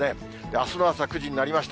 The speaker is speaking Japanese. あすの朝９時になりました。